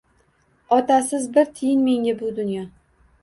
Otasiz bir tiyin menga bu dunyo